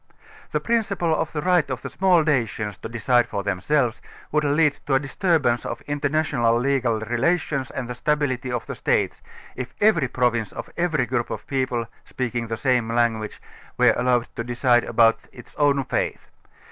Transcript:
The principle of the right of the small nations to decide for themselves would lead to a disturbance of international legal relations and the stability of the states, if every pro vince or every group of people, speaking the same language, were allowed to decide about its own fate.